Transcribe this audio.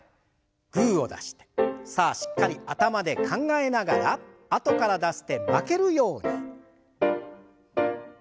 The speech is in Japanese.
グーを出してさあしっかり頭で考えながらあとから出す手負けるように。